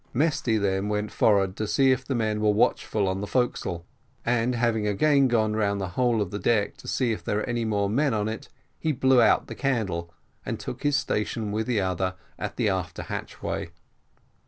Mesty then went forward to see if the men were watchful on the forecastle; and having again gone round the whole of the deck to see if there were any more men on it, he blew out the candle, and took his station with the others at the after hatchway.